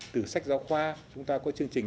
từ sách giáo khoa chúng ta có chương trình